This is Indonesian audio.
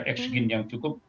ex gin yang cukup